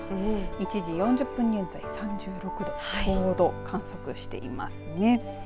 １時４０分現在３６度ちょうどを観測していますね。